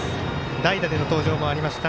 代打での登場もありました